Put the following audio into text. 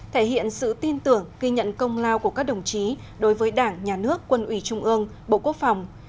thể hiện sự tin tưởng ghi nhận công lao của các đồng chí đối với đảng nhà nước quân ủy trung ương bộ quốc phòng